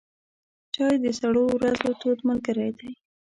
چای د سړو ورځو تود ملګری دی.